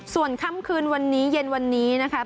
ส่วนค่ำคืนเย็นวันนี้นะคะ